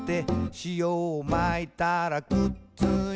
「しおをまいたらくっついた」